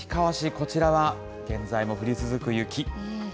こちらは現在も降り続く雪。